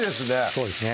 そうですね